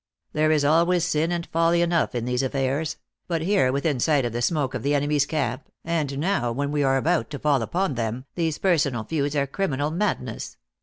There is al ways sin and folly enough in these affairs ; but here, within sight of the smoke of the enemy s camp, and now, when we are about to fall upon them, these per sonal feuds are criminal madness.